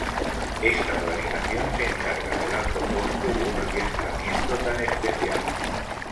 Esta organización se encarga del alto coste de un adiestramiento tan especial.